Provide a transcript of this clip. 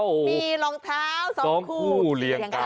มีรองเท้าสองคู่เรียกกัน